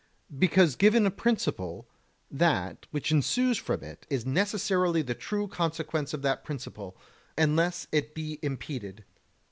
Because given a principle, that which ensues from it is necessarily the true consequence of that principle, unless it be impeded.